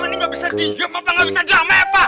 lu berdua ini gak bisa diam apa gak bisa diam